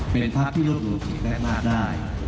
เป็นพักที่รวดรวมฉีดแม่งมากได้